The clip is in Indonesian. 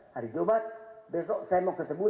hari jumat besok saya mau ketemu